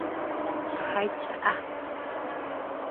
¿A aé chaá?